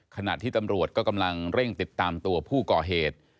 ขณะที่ตำรวจก็กำลังเร่งติดตามตัวผู้ก่อเหตุ